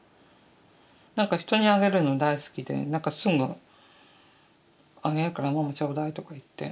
何か人にあげるの大好きで何かすぐ「あげるからママちょうだい」とか言って。